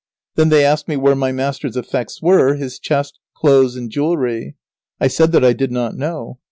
Then they asked me where my master's effects were, his chest, clothes, and jewelry. I said that I did not know.